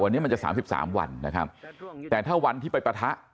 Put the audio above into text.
วันนี้มันจะ๓๓วันนะครับแต่ถ้าวันที่ไปปะทะ